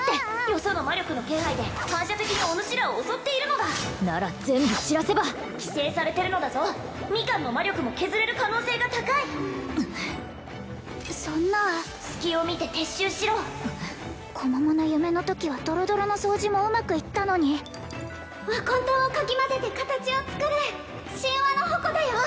よその魔力の気配で反射的におぬしらを襲っているのだなら全部散らせば寄生されてるのだぞミカンの魔力も削れる可能性が高いそんな隙を見て撤収しろ子桃の夢のときはドロドロの掃除もうまくいったのには混とんをかき混ぜて形を作る神話の矛だよ